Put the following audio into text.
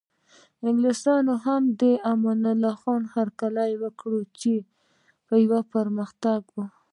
انګلیسانو هم د امان الله خان هرکلی وکړ چې یو پرمختګ و.